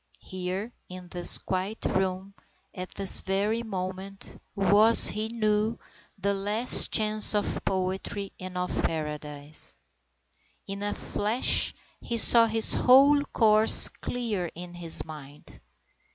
Here in this quiet room, at this very moment, was, he knew, the last chance of poetry and of paradise. In a flash he saw his whole course clear in his mind.